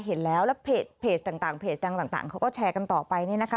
เห็นแล้วแล้วเพจต่างเพจดังต่างเขาก็แชร์กันต่อไปเนี่ยนะคะ